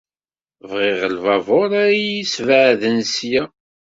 Bɣiɣ lbabuṛ ara yi-yesbeɛden ssya.